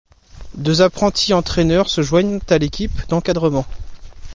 Deux apprentis entraîneurs se joignent à l'équipe d'encadrement.